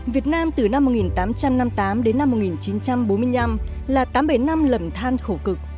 việt nam từ năm một nghìn tám trăm năm mươi tám đến năm một nghìn chín trăm bốn mươi năm là tám bể năm lầm than khổ cực